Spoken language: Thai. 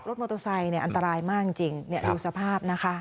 รถมอเตอร์ไซค์อันตรายมากจริงดูสภาพนะคะ